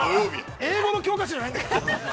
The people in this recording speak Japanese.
◆英語の教科書じゃないんだから。